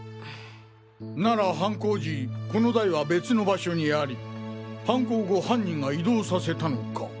なら犯行時この台は別の場所にあり犯行後犯人が移動させたのか？